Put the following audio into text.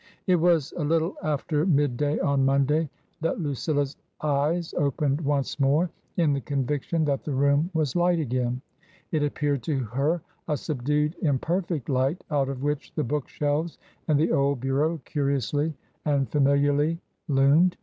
It was a little after midday on Monday that Lucilla's eyes opened once more in the conviction that the room was light again. It appeared to her a subdued imperfect light out of which the bookshelves and the old bureau curiously and familiarly loomed.